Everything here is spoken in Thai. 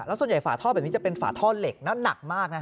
ส่วนใหญ่ฝาท่อแบบนี้จะเป็นฝาท่อเหล็กแล้วหนักมากนะ